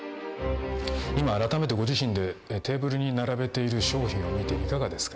今改めてご自身で、テーブルに並べている商品を見て、いかがですか。